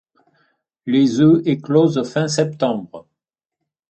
Les œufs éclosent fin septembre.